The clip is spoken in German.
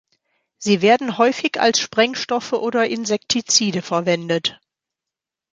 Sie werden häufig als Sprengstoffe oder Insektizide verwendet.